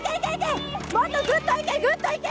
もっとグッといけグッといけ！